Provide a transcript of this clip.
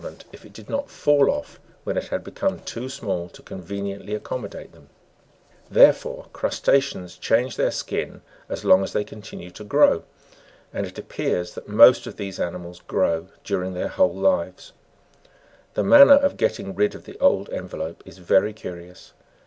ment, if it did not fall off when it had become too small to con veniently accommodate them : therefore, crusta'ceans change their skin as long as they continue to grow, and it appears that most of these animals grow during their whole lives. The manner of getting rid of the old envelope is very curious.